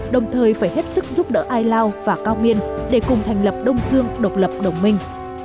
đồng thời phải hết sức giúp đỡ ai lao và cao miên để cùng thành lập đông dương độc lập đồng minh